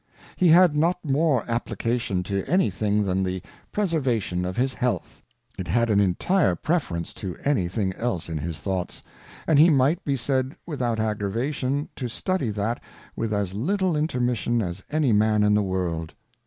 He had not more Application to any thing than the Preserva tion of his Health ; it had an intire Preference to any thing else in his Thoughts, and he might be said without Aggravation to study that with as little Intermission as any Man in the World.